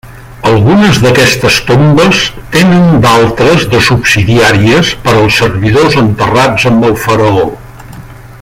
Algunes d'aquestes tombes tenen d'altres de subsidiàries per als servidors enterrats amb el faraó.